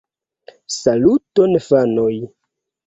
Saluton fanoj